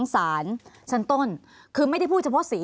ภารกิจสรรค์ภารกิจสรรค์